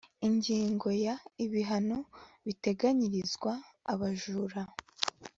ingingo ya ibihano biteganyirizwa abajura